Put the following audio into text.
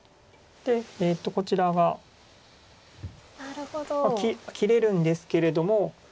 こちらが切れるんですけれども。